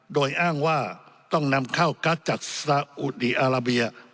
โดยอ้างว่าต้องนำเข้ากัสจากสาอุดีอาราเบีย